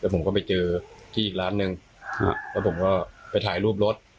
แต่ผมก็ไปเจอที่อีกร้านหนึ่งแล้วผมก็ไปถ่ายรูปรถ